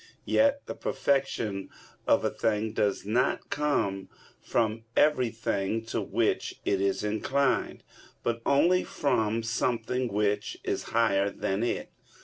Yet the perfection of a thing does not come from everything to which it is inclined, but only from something which is higher than it.